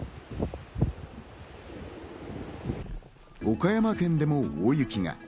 岡山県でも大雪が。